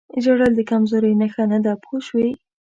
ژړل د کمزورۍ نښه نه ده پوه شوې!.